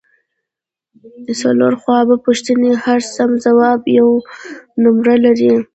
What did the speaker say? څلور ځوابه پوښتنې هر سم ځواب یوه نمره لري